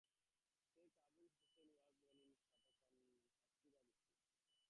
Sheikh Abul Hossain was born in Satkhira District.